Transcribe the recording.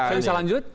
saya bisa lanjut